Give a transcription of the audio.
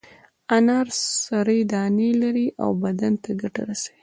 انار سرې دانې لري او بدن ته ګټه رسوي.